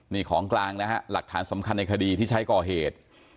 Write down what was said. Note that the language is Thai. นี่ของกลางนะฮะหลักฐานสำคัญในคดีที่ใช้ก่อเหตุ